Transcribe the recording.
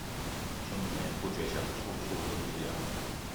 春眠不覺曉，處處蚊子咬